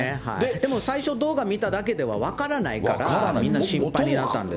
でも最初、動画見ただけでは、分からないから、みんな心配になったんです。